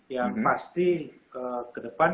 yang pasti ke depan